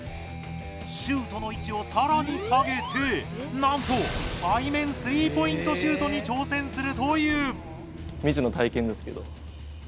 シュートの位置をさらに下げてなんと背面スリーポイントシュートに挑戦するという。